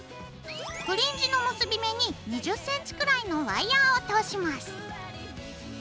フリンジの結び目に２０ｃｍくらいのワイヤーを通します。